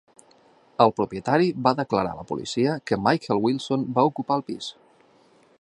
El propietari va declarar a la policia que Michael Wilson va ocupar el pis.